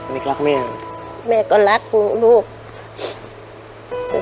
มิ๊กรักแม่แม่ก็รักลูกลูก